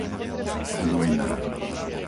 Hnojné